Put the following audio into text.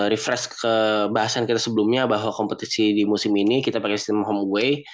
refresh ke bahasan kita sebelumnya bahwa kompetisi di musim ini kita pakai sistem home away